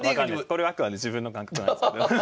これはあくまで自分の感覚なんですけど。